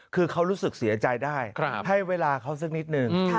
คือเขารู้สึกเสียใจได้ให้เวลาเขาสักนิดนึง